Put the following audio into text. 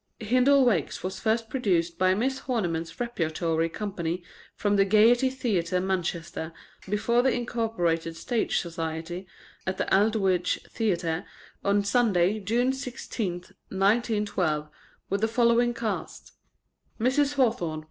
HINDLE WAKES was first produced by Miss HORNIMAN'S REPERTORY COMPANY from the Gaiety Theatre, Man chester, before the Incorporated Stage Society, at the Aldwych Theatre, on Sunday, June 16th, 1912, with the following cast : Mrs. Hawthorn